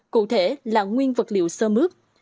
cụ thể là nguyên vật liệu sơ mước